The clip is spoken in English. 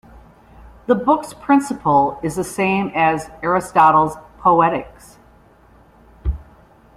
The book's principle is the same as Aristotle's "Poetics".